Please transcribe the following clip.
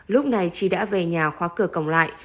lúc này chị đã về nhà khóa cửa cổng lại